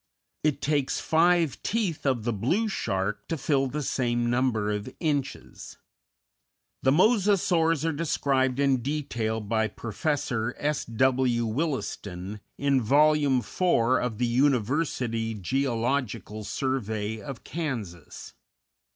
It takes five teeth of the blue shark to fill the same number of inches._ _The Mosasaurs are described in detail by Professor S. W. Williston, in Vol. IV. of the "University Geological Survey of Kansas."